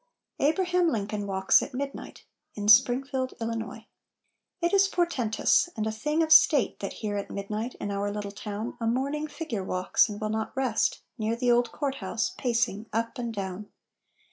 ABRAHAM LINCOLN WALKS AT MIDNIGHT [In Springfield, Illinois] It is portentous, and a thing of state That here at midnight, in our little town, A mourning figure walks, and will not rest, Near the old court house pacing up and down.